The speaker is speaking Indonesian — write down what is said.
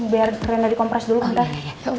biar rena dikompres dulu sebentar